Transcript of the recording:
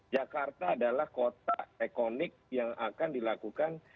jakarta adalah kota ekonik yang akan dilakukan